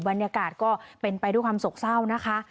บรรยากาศก็เป็นไปด้วยความโศกเศร้านะคะ